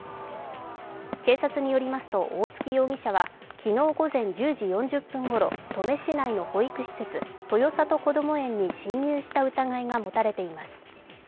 警察によりますと大槻容疑者は昨日午前１０時４０分ごろ登米市内の保育施設、豊里こども園に侵入した疑いが持たれています。